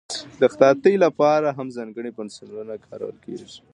د خطاطۍ لپاره هم ځانګړي پنسلونه کارول کېږي.